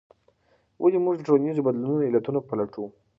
ولې موږ د ټولنیزو بدلونونو علتونه پلټو؟